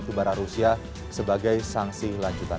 untuk barang rusia sebagai sanksi lanjutan